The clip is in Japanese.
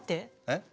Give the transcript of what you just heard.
え？